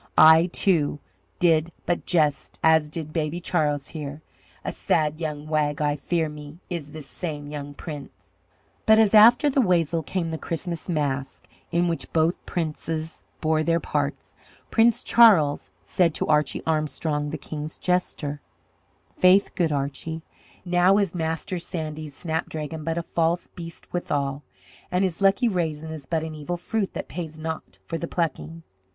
I too did but jest as did Baby Charles here a sad young wag, I fear me, is this same young Prince." But as, after the wassail, came the Christmas mask, in which both Princes bore their parts, Prince Charles said to Archie Armstrong, the King's jester: "Faith, good Archie; now is Master Sandy's snapdragon but a false beast withal, and his lucky raisin is but an evil fruit that pays not for the plucking."